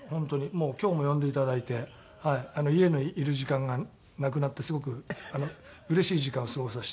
もう今日も呼んでいただいて家にいる時間がなくなってすごくうれしい時間を過ごさせていただいてます。